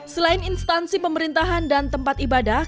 selain instansi pemerintahan dan tempat ibadah